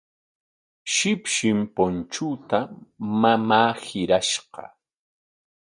Shipshin punchuuta mamaa hirashqa.